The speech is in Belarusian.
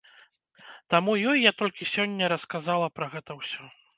Таму ёй я толькі сёння расказала пра гэта ўсё.